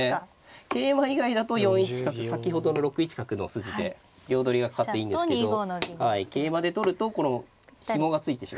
桂馬以外だと４一角先ほどの６一角の筋で両取りがかかっていいんですけど桂馬で取るとこのひもが付いてしまう。